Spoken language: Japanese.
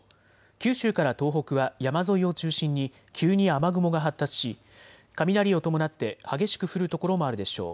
九州から東北は山沿いを中心に急に雨雲が発達し雷を伴って激しく降る所もあるでしょう。